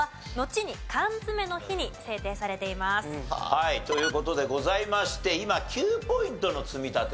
はいという事でございまして今９ポイントの積み立て。